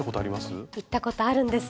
行ったことあるんです。